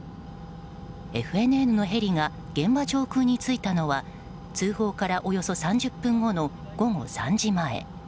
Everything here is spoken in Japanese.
ＦＮＮのヘリが現場上空に着いたのは通報からおよそ３０分後の午後３時前。